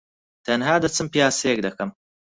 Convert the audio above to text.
تەنھا دەچم پیاسەیەک دەکەم.